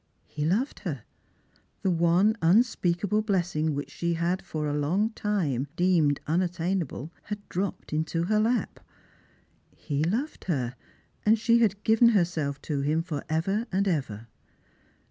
He loved her. The one unspeakable blessing which she had for a long time deemed unattainable had dropped into her lap. He loved her, and she had given herself to him for ever and ever.